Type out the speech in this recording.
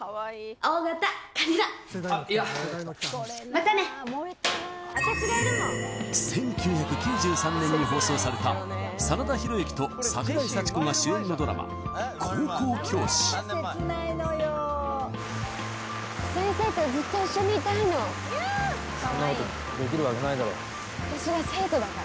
あっいやまたね１９９３年に放送された真田広之と桜井幸子が主演のドラマ「高校教師」先生とずっと一緒にいたいのそんなことできるわけないだろ私が生徒だから？